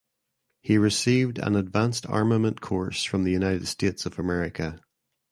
He received an advanced armament course from the United States of America.